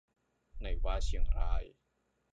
ไหนว่าเชียงราย